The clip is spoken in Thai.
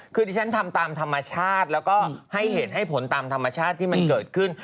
คือที่ฉันทำตามธรรมชาติแล้วก็ให้เหตุให้ผลตามธรรมชาติที่มันเกิดขึ้น